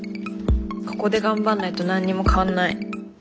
ここで頑張んないと何にも変わんない。